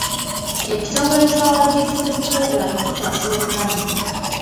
Ekitongole kya World Food Programme kitaasa obulamu.